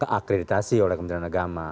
keakreditasi oleh kebenaran agama